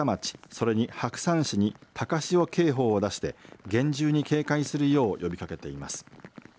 それに、白山市に高潮警報を出して厳重に警戒するよう呼びかけています。